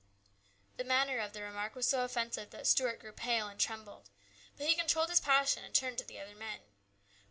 " The manner of the remark was so offensive that Stuart grew pale and trembled. But he controlled his passion and turned to the other men.